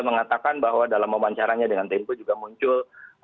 mengatakan bahwa dalam wawancaranya dengan tempo juga muncul